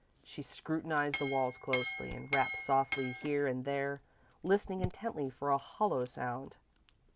She scrutinised the walls closely, and rapped softly here and there, listening intently for a hollow sound.